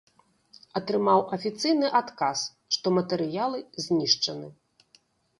Атрымаў афіцыйны адказ, што матэрыялы знішчаны.